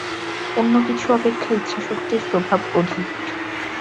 অন্য কিছু অপেক্ষা ইচ্ছাশক্তির প্রভাব অধিক।